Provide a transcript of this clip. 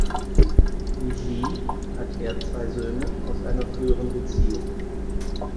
Wie sie hat er zwei Söhne aus einer früheren Beziehung.